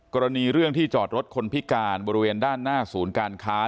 กรณีเรื่องที่จอดรถคนพิการบริเวณด้านหน้าศูนย์การค้า